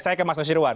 saya ke mas nusyirwan